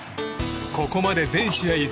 ここまで全試合